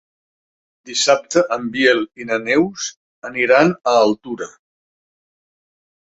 Dissabte en Biel i na Neus aniran a Altura.